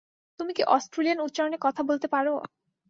তুমি কি অস্ট্রেলিয়ান উচ্চারণ এ কথা বলতে পারো?